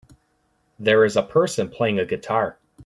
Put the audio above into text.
There is a person playing a guitar.